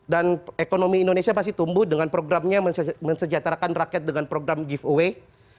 dan ekonomi indonesia pasti tumbuh dengan programnya mensejahterakan rakyat dengan program giveaway